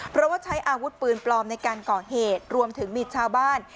เพราะว่าใช้อาวุธปืนปลอมในการก่อเหตุรวมถึงมีชาวบ้าน